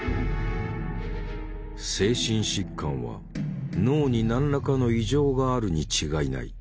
精神疾患は脳に何らかの異常があるに違いない。